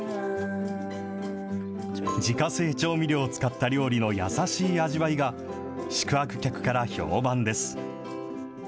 自家製調味料を使った料理の優しい味わいが、宿泊客から評判です。